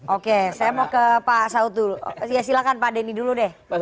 oke saya mau ke pak saud dulu silakan pak denny dulu deh